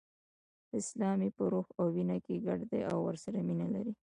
اسلام یې په روح او وینه کې ګډ دی او ورسره مینه لري.